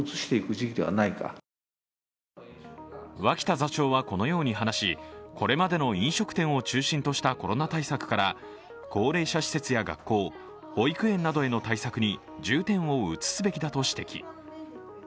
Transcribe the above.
脇田座長はこのように話しこれまでの飲食店を中心としたコロナ対策から高齢者施設や学校、保育園などの対策に重点を移すべきだと指摘。